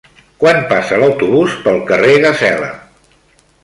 Quan passa l'autobús pel carrer Gasela?